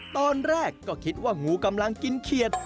ตอนแรกก็คิดว่างูกำลังกินเขียด